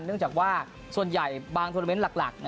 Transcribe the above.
เนื่องจากว่าส่วนใหญ่บางทวนาเมนต์หลัก